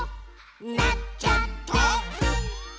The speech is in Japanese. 「なっちゃった！」